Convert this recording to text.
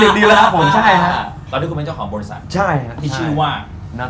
ตอนนี้คุณเป็นเจ้าของบริษัทที่ชื่อว่า